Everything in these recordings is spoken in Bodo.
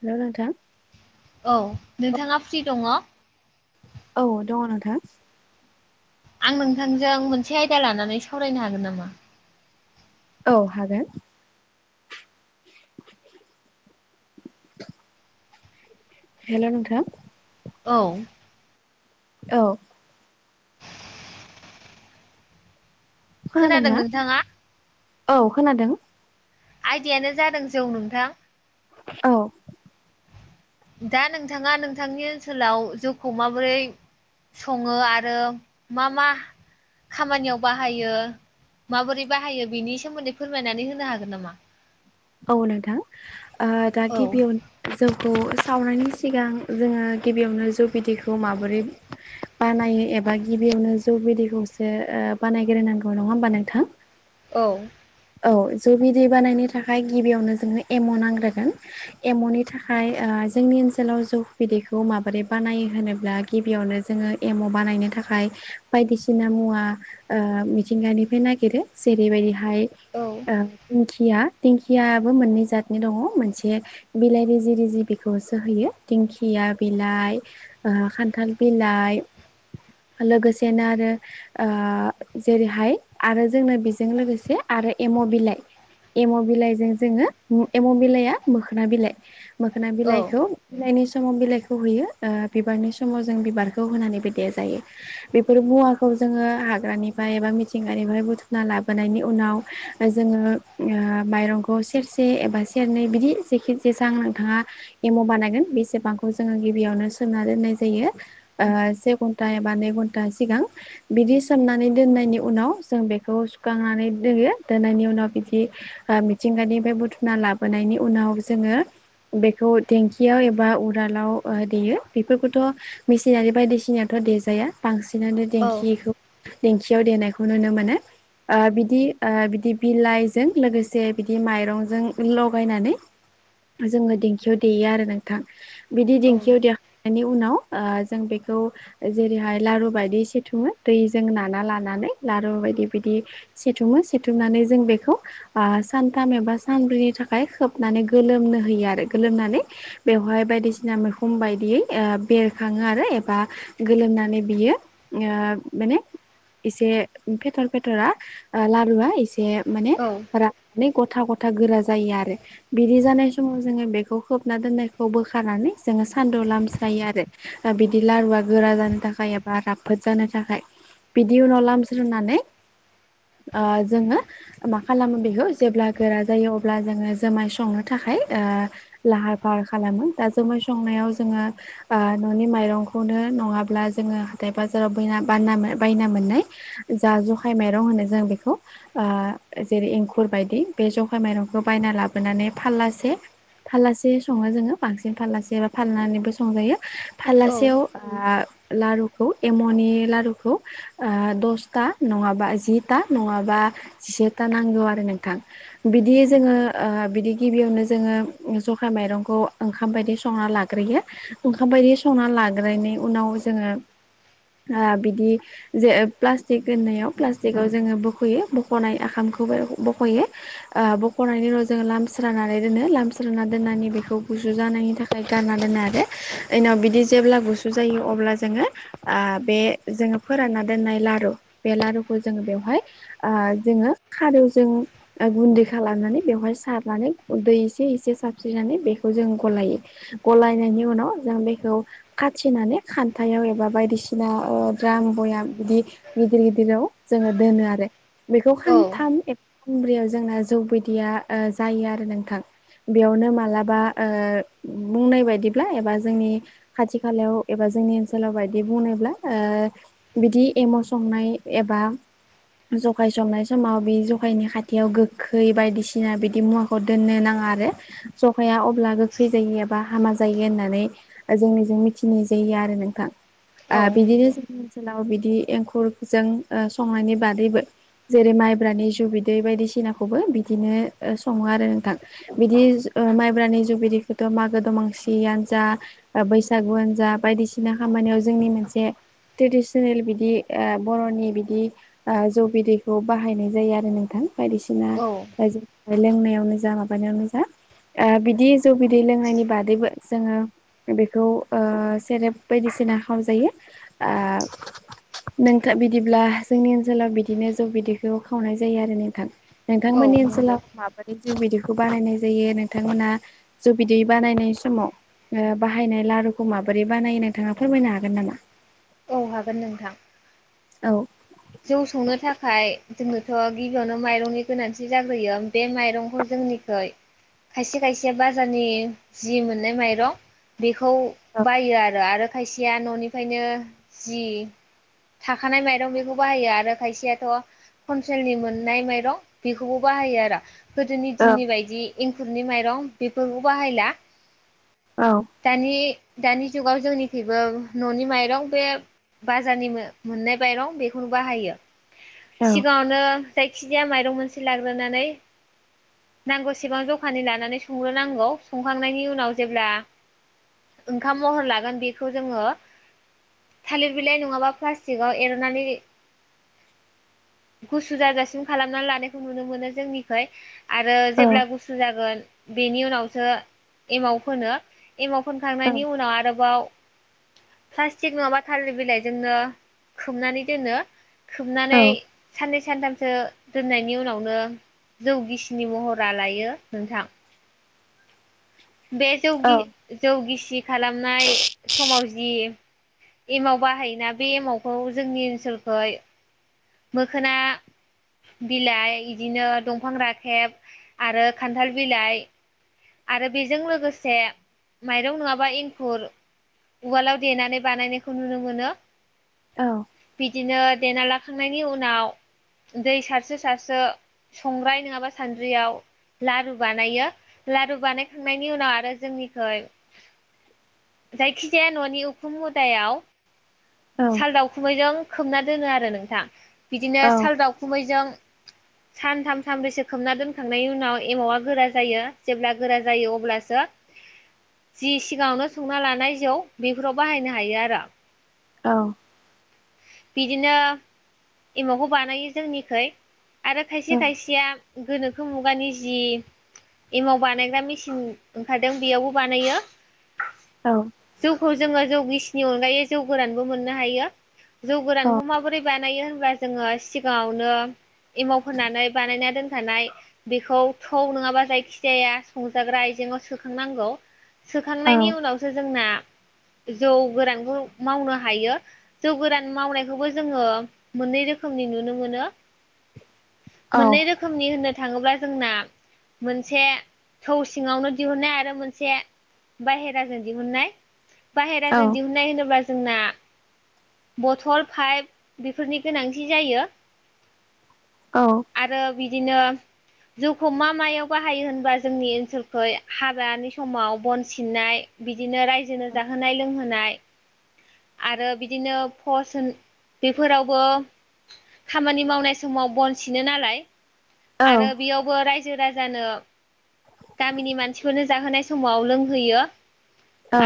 हेलौ नोंथां । औ नोंथाङा फ्रि दङ औ दङ नोंथां । आं नोंथांजों मोनसे आयदा लानानै सावरायनो हागोन नामा? औ हागोन । [inaudible] हेलौ नोंथां औ औ खोनादों खोनादोंना नोंथाङा औ खोनादों आइदायानो जादों जौ नोंथां औ दा नोंथाङा नोंथांनि ओनसोलाव जौखौ माबोरै सङो आरो मा मा खामानियाव बाहायो माबोरै बाहायो बेनि सोमोन्दै फोरमायनानै होनो हागोन नामा औ नोंथां दा औ गिबियावनो जौ खौ सावनायनि सिगां जोङो गिबियावनो जौ बिदैखौ माबोरै बानायो एबा गिबियावनो जौ बिदैखौसो बानायग्रोन नांगौ नङा होमबा नोंथां औ औ जौ बिदै बानायनो थाखाय गिबियावनो जोंनो एम' नांग्रोगोन एम'नि थाखाय जोंनि ओनसोलाव जौ सुबिदैखौ माबोरै बानायो होनोब्ला गिबियावनो जोङो एम अ बानायनो थाखाय बायदिसिना मुवा मिथिंगानिफ्राय नागिरो जेरैबायदिहाय औ दिंखिया दिखियाबो मोननै जातनि दङ मोनसे बिलाइ रिजि रिजिबिखौसो होयो दिंखिया बिलाइ खान्थाल बिलाइ लोगोसेनो आरो जेरैहाय आरो जोंनो बेजों लोगोसे आरो एम' बिलाइ एम' बिलाइजों जोङो एम' बिलाइआ मोखोना बिलाइ मोखोना औ बिलाइखौ बिलाइनि बिलाइखौ हो बिबारनि समाव जों बिबार होनानै बि जायो बेफोर मुवाखौ जोङो हाग्रानिफ्राय एबा मिथिंगानिफ्राय बुथुमना लाबोनायनि उनाव जोङो माइरंखौ सेरसे एबा सेरनै बिदि जेखि जेसां नोंथाङा एम' बानायगोन बेसेबांखौ जोङो गिबियावनो सोनना दोननाय जायो घन्टा ए बा नै घन्टा सिगां बिदि सोमनानै दोननायनि उनाव जों बेखौ सुखांनानै दोनयो दोनायनि उनाव बिदि मिथिंगानिफ्राय बुथुना लाबोनायनि उनाव जोङो बेखौ देंखियाव एबा उरालाव देयो बेफोरखौथ' मेसिनारि बायदिसिनाथ' देजाया बांसिन बिदिनो औ देंखिखौ देंखियाव देनायखौ नुनो मोनो बिदि बिदि बिलाइजों लोगोसे बिदि माइरंजों लगायनानै जोङो दिंखियाव देयो आरो नोंथां बिदि दिंखियाव औ दे उनाव जों बेखौ जेरैहाय लारु बायदि सेथुमो दैजों नाना लानानै लारु बायदि बिदि सेथुमो सेथुमनानै जों बेखौ सानथाम एबा सानब्रैनि थाखाय खोबनानै गोलोमनो होयो आरो गोलोमनानै बेवहाय बायदिसिना मैखुन बायदि बेरखाङो आरो एबा गोलोम माने बियो ओ माने एसे फेथर फेथरा ओ ा एसे माने [unintelligible] गथा गथा गोरा जायो आरो बिदि जानाय समाव जोङो बेखौ खोबना दोननायखौ बोखारनानै जों सान्दुं लामस्रायो आरो बिदि लारुआ गोरा जानो थाखाय एबा राफोद जानो थाखाय। बिदि उनाव लामस्रोनानै [inaudible] ओ जोङो मा खालामो बेखौ जेब्ला गोरा जायो अब्ला जोङो जुमाय संनो थाखाय। ओ लाहार फाहार खालामो दा जोमै संनायाव जोङो ओ न'नि माइरंखौनो। नङाब्ला जोहो हाथाय बाजार बायना मोननाय जा जखाय माइरं होनो जों बेखौ। ओ जेरै एंखुर बायदि बे जहाइ माइरंखौ बायना लाबोनानै फारलासे। फाललासे सङो जोङो बांसिन फालासे एबा फालनानैबो संजायो। फालसेयाव ओ लारुखौ एमनि लारुखौ दसथा नङाबा जिथा। नङाबा जिसेथा नांगौ आरो नोंथां बिदि जोङो ओ बिदि गिबियावनो जोङो जखा माइरंखौ ओंख बायदि संना लाग्रोयो ओंखाम बायदि संना लाग्रोन उ नाव जोङो ओ बिदि जे ओ फ्लसटिक होननायाव फ्लसटिकयाव जोङो बख'यो बख'नाय आखामखौबो बख'यो ओ बख'नायनि उनाव जोङो लामस्रानानै दोनो लामस्रानानै दोननानै बेखौ गुसु जानायनि थाखाय गारना दोनो आरो उनाव बिदि जेब्ला गुसु जायो अब्ला जोंडो आ बे जोङो फोरानना दोननाय लारु बे लारुखौ जो बे वहाय ओ जोंडो खादोवजों गुन्दै खालामनानै बेहाय सारनानै दै इसे इसे साबस्रिनानै बेखौ जों गलायो गलायनायनि उनाव जों बेखौ खाथिनानै खान्थाव एबा बायदिसिना ओ द्राम बयाम बिदि गिदिर गिदिराव जोङो दोनो आरो बेखौ औ औ खान्थाम खुंब्रियाव जोंना जौ बायदिया ओ जायो आरो नोंथां। बेयावनो मालाबा ओ बुंनाय बायदिब्ला एबा जोंनि खाथि खालायाव एबा जोंनि ओनसोलाव बायदि बुंब्ला ओ बिदि एमाव संनाय एबा [inaudible] जखाय सनाय समाव बे जखायनि खाथियाव गोखै बायदिसिना बिदि मुवाखौ दोननो नाङा। आरो जखाया अब्ला गोख्रै जायो एबा हामा जायो होननानै जोंनिजों मिथिनाय जायो आरो नोंथां। ओ औ नंगौ बिदिनो जोंनि ओनसोलाव बिदि एंखुरजों ओ संनायनि बादैबो जेरै माइब्रानि जु बिदै बायदिसिनाखौबो बिदिनो ओ सङो आरो नोंथां बिदि ओ माइब्रानि जौ बिदैखौथ' मागो दमांसियानो जा बैसागुआानो जा बायदिसिना खा मानि जोंनि मोनसे ट्रेडिसनेल बिदि ओ बर'नि बिदि ओ जौ बिदैखौ बाहायनाय जायो आरो नोंथां बायदिसिना औ लोंनायावनो जा माबानायावनो जा। ओ बिदि जौ बिदै लोंनायनि बादैबो जोङो बेखौ ओ सेरेब बायदिसो सिना खाम जायो नोंथां बिदिब्ला जोंनि ओनसोलाव बिदिनो जौ बिदैखौ खावनाय जायो आरो नोंथां औ नोंथांमोननि नंगौ ओनसोलाव माबोरै जौ बिदैखौ बानायनाय जायो नोंथांमोना जौ बिदै बानायनाय समाव ओ बाहायनाय लारुखौ माबोरै बानायो नोंथाङा फोरमायनो हागोन नामा? औ हागोन नोंथां औ जौ संनो थाखाय जोंनोथ' गिबियावनो माइरंनि गोनांथि जाग्रोयो बे माइरंखौ जोंनिखै खायसे खायसे बाजारनि जि मोननाय माइरं बेखौ औ बायो आरो आरो खायसेया न'निफ्रायनो जि थाखानाय माइरं बेखौ बाहायो आरो खायसेयाथ' खनसेलनि मोननाय माइरं बेखौबो बाहायो आरो । गोदोनि औ दिननि बायदि एंखुरनि माइरं बेफोरखौ बाहायला। औ दानि दानि जुगाव जोंनिखुइबो न'नि माइरं बे बाजारनि मोननाय बाइरं बेखौनो बाहायो । सिगाङावनो जायखिजाया माइरं मोनसे लाग्रोनानै नांगौसेबां जखानि लानानै संग्रोनांगौ संखांनायनि उनाव जेब्ला ओंखाम महर लागोन बेखौ जोङो थालिर बिलाइ नङाबा प्लास्टिकआव एरनानै गुसु जाजासिम खालामनानै लानायखौ नुनो मोनो जोंनिखै। आरो औ जेब्ला गुसु जागोन बेनि उनावसो एमाव फोनो । एमाव औ फोनखांनायनि उनाव आरोबाव प्लास्टिक नङाबा थालिर बिलाइजोंनो खोबनानै दोनो औ खोबनानै साननै सानथामसो दोननायनि उनावनो जौ गिसिनि महरा लायो नोंथां । बे औ जौगि-जौगिसि खालामनाय समाव जि एमाव बाहायोना बे एमावखौ जोंनि ओनसोलखै मोखोना बिलाइ बिदिनो दंफां राखेब आरो खान्थाल बिलाइ, आरो बेजों लोगोसे माइरं नङाबा एंखुर उवालाव देनानै बानायनायखौ नुनो मोनो बिदिनो देना लाखांनायनि उनाव दै सारसो सारसो संग्राय नङाबा सान्द्रियाव लारु बानायो लारु बानायखांनायनि उनाव आरो जोंनिखै जायखिजाया ननि उखुम मुदायाव औ साल दाउखुमैजों खोबना दोनो आरो नोंथां बिदिनो साल दाउखुमैजों [inaudible] सानथाम सानब्रैसो खोबना दोनखांनायनि उनाव एमावा गोरा जायो जेब्ला गोरा जायो अब्लासो जि सिगाङावनो संना लानाय जौ बेफोराव बाहायनो हायो आरो औ बिदिनो एमावखौ बानायो जोंनिखै आरो खायसे खायसेया गोनोखो मुगानि जि एमाव बानायग्रा मेसिन ओंखारदों बेयावबो बानायो औ जौखौ जोङो जौ गिसिनि अनगायै जौ गोरानबो मोननो हायो। जौ गोरानखौ माबोरै बानायो होनब्ला जोङो सिगाङावनो एमाव फोननानै बानायना दोनखानाय बेखौ थौ नङाबा जायखि जाया संजाग्रा जेंयाव सोखांनांगौ सोखांनायनि उनावसो जोंना जौ गोरानखौ मावनो हायो। जौ गोरान मावनायखौबो जोङो मोननै रोखोमनि नुनो मोनो। मोननै रोखोमनि होननो थाङोब्ला जोंना मोनसे थौ सिङावनो दिहुननाय आरो मोनसे बाहेराजों दिहुननाय बाहेराजों दिहुननाय होनोब्ला जोंना बथल पाइप बेफोरनि गोनांथि जायो। आरो बिदिनो जौखौ मा मायाव बाहायो होनबा जोंनि ओनसोलखै हाबानि समाव बन सिननाय बिदिनो रायजोनो जाहोनाय लोंहोनाय आरो बिदिनो पस होन बेफोरावबो खामानि मावनाय समाव बनस सिनो नालाय आरो बेयावबो रायजो राजा जानो गामिनि मानसिफोरनो जाहोनाय समाव लोंहोयो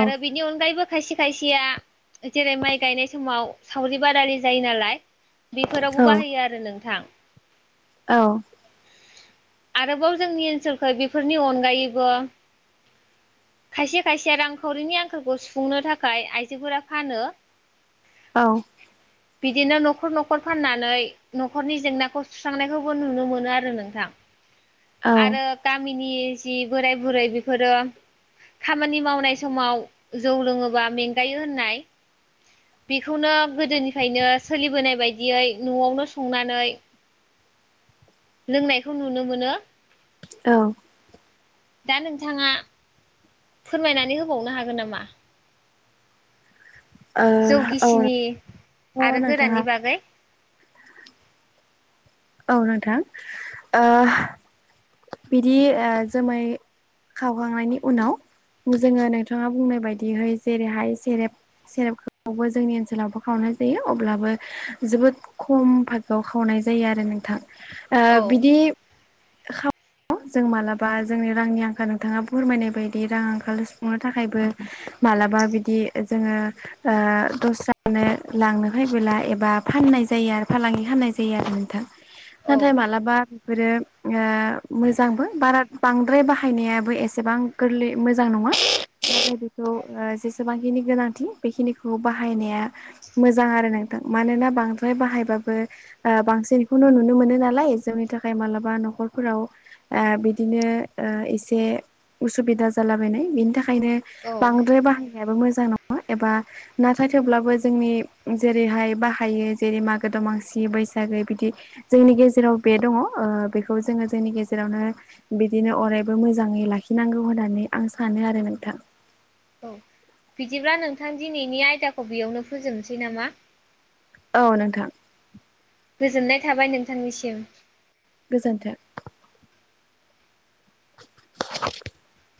आरो बिनि अनगायैबो खायसे खायसेया जेरै माइ गायनाय समाव सावरि बादालि जायो नालाय बेफोरावबो बाहायो आरो नोंथां औ आरोबाव जोंनि ओनसोलखै बेफोरनि अनगायैबो खायसे खायसे रांखावरिनि आंखालखौ सुफुंनो थाखाय आइजोफोरा फानो। औ। बिदिनो न'खर- न'खर फाननानै न'खरनि जेंनाखौ सुस्रांनायखौबो नुनो मोनो आरो नोंथां। आरो गामिनि जि बोराय-बुरै बेफोरो खामानि मावनाय समाव जौ लोङोबा मेंगायो होननाय। बेखौनो गोदोनिफ्रायनो सोलिबोनाय बायदियै न'आवनो संनानै लोंनायखौ नुनो मोनो। औ। दा नोंथाङा फोरमायनानै होबावनो हागोन नामा? औ जौगिसिनि अ आरो नोंथाङा गोराननि बागै औ नोंथां ओ बिदि ओ जोमाय खावखांनायनि उनाव जोङो नोंथाङा बुंनाय बायदिहै जेरैहाय सेरेब- सेरेबखौबो जोंनि ओनसोलावबो खावनो जायो अब्लाबो जोबोद खम फआव खावनाय जायो आरो। नोंथां औ ओ बिदि जों मालाबा जोंनि रांनि आंखाल नोंथाङा फोरमायनाय बायदि रां आंखाल सुफुंनो थाखायबो मालाबा बिदि जोङो दस्रानो लांनो फैबोला एबा फाननाय जायो आरो फालांगि फाननाय जायो आरो नोंथां औ नाथाय मालाबा बेफोरो मोजांबो बारा बांद्राय बाहायनायाबो एसेबां गोरलै मोजां नङा नाथाय बेखौ जेसेबांखिनि गोनांथि बेखिनिखौ बाहायनाया मोजां आरो नोंथां मानोना बांद्राय बाध्यताओं बांसिन खुनु नुनो मोनो नालाय जोंनि थाखाय मालाबा न'खरफोराव ओ बिदिनो एसे उसुबिदा जालाबायनाय बेनि थाखायनो औ बांद्राय बाहायनायाबो मोजां नङा। एबा नाथाय थेवब्लाबो जोंनि जेरैहाय बाहायो जेरै मागो दमासि बैसागै बिदि जोंनि गेजेराव बे दङ ओ बेखौ जोङो जोंनि गेजेरावनो बिदिनो अरायबो मोजाङै लाखिनांगौ होननानै आं सानो आरो नोंथां। औ बिदिब्ला नोंथां दिनैनि आयदाखौ बेयावनो फोजोबनोसै नामा? औ नोंथां। गोजोननाय थाबाय नोंथांनिसिम। गोजोन्थों। [inaudible] [unintelligible]